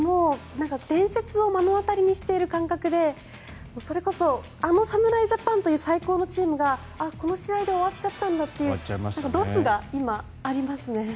伝説を目の当たりにしている感覚でそれこそ、あの侍ジャパンという最高のチームがこの試合で終わっちゃったんだというロスが今、ありますね。